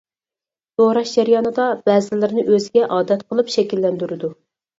دوراش جەريانىدا بەزىلىرىنى ئۆزىگە ئادەت قىلىپ شەكىللەندۈرىدۇ.